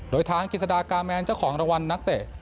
โดยทางกิจสดากาแมนเจ้าของรางวัลนักเตะ